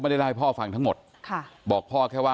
ผมมีโพสต์นึงครับว่า